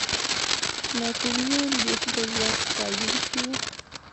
ناپولیون بېحده زیات ستایونکی وو.